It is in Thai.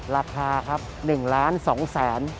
ราคาครับ๑๒๐๐๐๐๐บาท